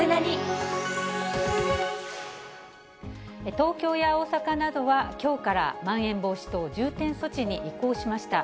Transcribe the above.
東京や大阪などは、きょうからまん延防止等重点措置に移行しました。